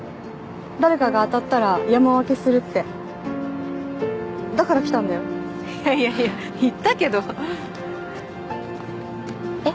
誰かが当たったら山分けするってだから来たんだよいやいやいや言ったけどえっ